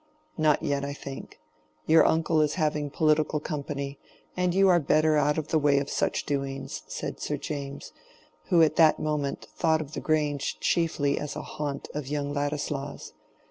"Not yet, I think. Your uncle is having political company, and you are better out of the way of such doings," said Sir James, who at that moment thought of the Grange chiefly as a haunt of young Ladislaw's.